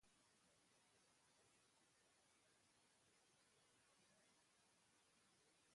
Gerra bukatu zenean, armadan sartu zen.